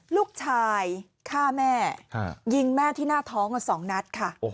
ลูกชายฆ่าแม่ยิงแม่ที่หน้าท้อง๒นัดค่ะ